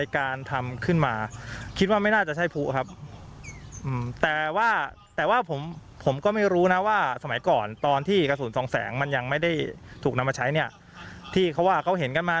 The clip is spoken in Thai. เขาน่าจะใช้กระสุนส่องแสงในการทำขึ้นมา